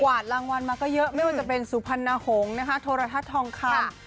กวาดรางวัลมาก็เยอะไม่ว่าจะเป็นสุพันธ์หนาหงษ์โทรฤัทธองคาม